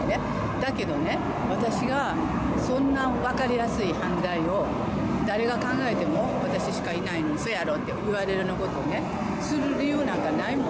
だけどね、私がそんな分かりやすい犯罪を、誰が考えても私しかいないのうそやろと、言われるようなをね、する理由なんかないもん。